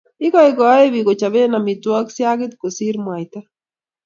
ikeikei biik kochobe amitwogik siagik kosir mwaita